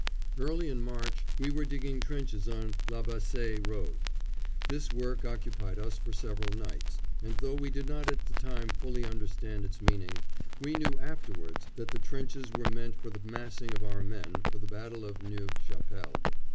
Early in March we were digging trenches on La Bassée Road. This work occupied us for several nights, and though we did not at the time fully understand its meaning, we knew afterwards that the trenches were meant for the massing of our men for the battle of Neuve Chapelle.